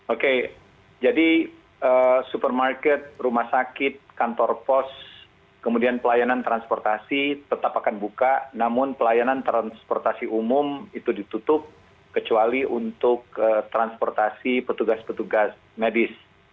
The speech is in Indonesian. oke jadi supermarket rumah sakit kantor pos kemudian pelayanan transportasi tetap akan buka namun pelayanan transportasi umum itu ditutup kecuali untuk transportasi petugas petugas medis